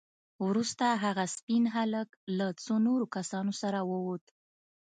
وروسته هغه سپين هلک له څو نورو کسانو سره ووت.